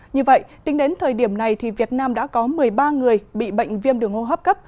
như vậy tính đến thời điểm này việt nam đã có một mươi ba người bị bệnh viêm đường hô hấp cấp